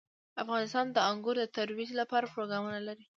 افغانستان د انګور د ترویج لپاره پروګرامونه لري.